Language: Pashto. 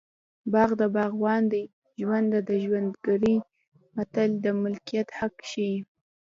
باغ د باغوان دی ژرنده د ژرندګړي متل د ملکیت حق ښيي